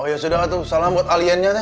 oh iya sudah lah tuh salam buat kliennya teh